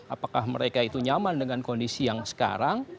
apakah mereka itu nyaman dengan kondisi yang sekarang